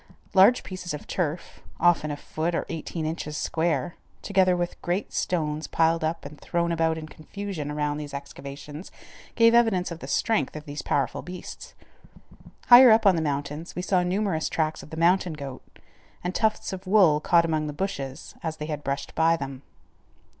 Large pieces of turf, often a foot or eighteen inches square, together with great stones piled up and thrown about in confusion around these excavations, gave evidence of the strength of these powerful beasts. Higher up on the mountains we saw numerous tracks of the mountain goat, and tufts of wool caught among the bushes as they had brushed by them.